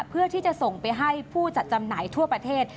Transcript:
เพื่อที่จะส่งไปให้ผู้จัดจำหน่ายทั่วประเทศ